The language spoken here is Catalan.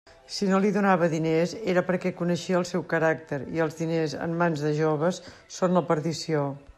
Si no li donava diners, era perquè coneixia el seu caràcter, i els diners, en mans de joves, són la perdició.